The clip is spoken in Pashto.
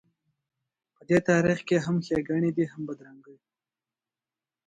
په دې تاریخ کې هم ښېګڼې دي هم بدرنګۍ.